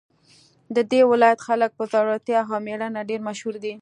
د دې ولایت خلک په زړورتیا او میړانه ډېر مشهور دي